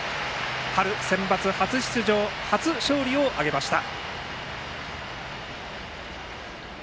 春センバツ初出場初勝利を挙げました。